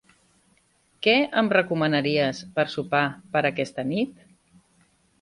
Què em recomanaries per sopar per aquesta nit?